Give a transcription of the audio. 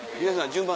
順番。